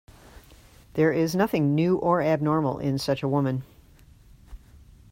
There is nothing new or abnormal in such a woman.